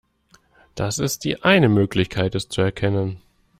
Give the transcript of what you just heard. Das ist die eine Möglichkeit es zu erkennen.